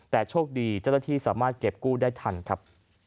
แต่โชคดีเจ้าหน้าที่สามารถเก็บกู้ได้ทันครับ